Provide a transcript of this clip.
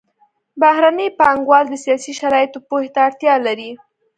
بهرني پانګوال د سیاسي شرایطو پوهې ته اړتیا لري